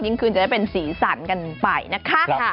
ยิ่งขึ้นจะได้เป็นสีสันกันไปนะคะ